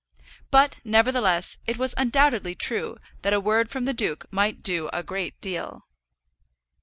But, nevertheless, it was undoubtedly true that a word from the duke might do a great deal!